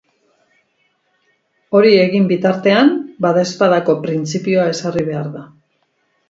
Hori egin bitartean, badaezpadako printzipioa ezarri behar da.